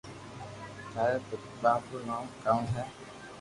ٿاري ٻاپ رو نوم ڪاؤ ھي